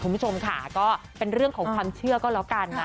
คุณผู้ชมค่ะก็เป็นเรื่องของความเชื่อก็แล้วกันนะ